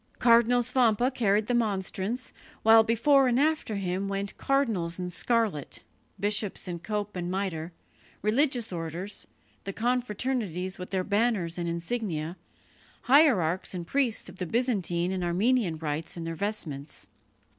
Cardinal Svampa carried the monstrance, while before and after him went cardinals in scarlet, bishops in cope and mitre, religious orders, the confraternities with their banners and insignia, hierarchs and priests of the Byzantine and Armenian rites in their vestments.